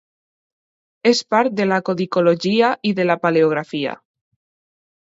És part de la codicologia i de la paleografia.